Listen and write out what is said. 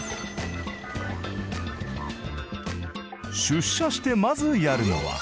出社してまずやるのは。